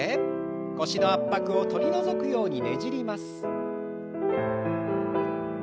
腰の圧迫を取り除くようにねじります。